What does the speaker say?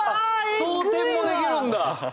装填もできるんだ！